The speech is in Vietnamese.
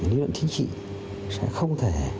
lý luận chính trị sẽ không thể